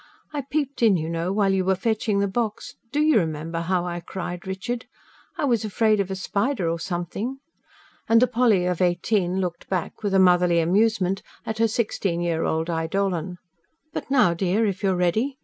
I peeped in, you know, while you were fetching the box. DO you remember how I cried, Richard? I was afraid of a spider or something." And the Polly of eighteen looked back, with a motherly amusement, at her sixteen year old eidolon. "But now, dear, if you're ready ...